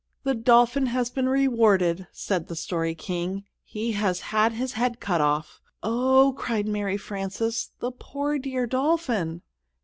"The dolphin has been rewarded," said the Story King; "he has had his head cut off " "Oh," cried Mary Frances, "the poor, dear dolphin!"